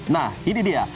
nah ini dia